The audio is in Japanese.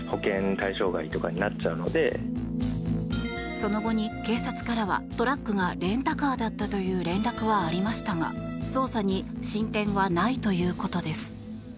その後、警察からはトラックがレンタカーだったという連絡はありましたが、捜査に進展はないということです。